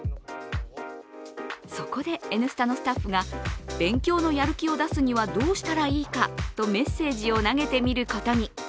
そこで「Ｎスタ」のスタッフが勉強のやる気を出すにはどうしたらいいかとメッセージを投げてみることに。